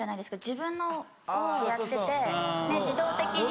自分のをやっててねっ自動的に。